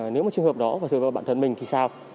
nếu một trường hợp đó và dựa vào bản thân mình thì sao